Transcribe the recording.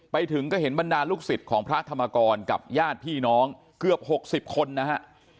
ไปถึงก็เห็นบรรดาลูกศิษย์ของพระธรรมกรกับญาติพี่น้องเกือบ๖๐คนนะฮะ